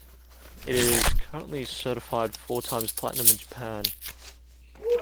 It is currently certified four times platinum in Japan.